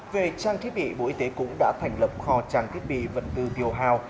về trang thiết bị bộ y tế cũng đã thành lập kho trang thiết bị vật tư điều hào